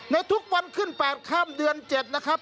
ในทุกวันขึ้น๘ข้ามเดือน๗นะครับ